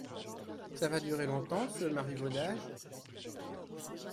Ca va durer longtemps, ce marivaudage ?…